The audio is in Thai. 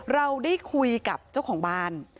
เราได้คุยกับเจ้าของบ้าน